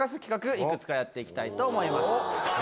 いくつかやっていきたいと思います。